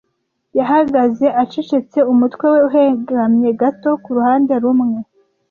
Yahagaze acecetse, umutwe we uhengamye gato kuruhande rumwe.